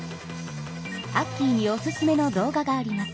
アッキーにおすすめの動画があります。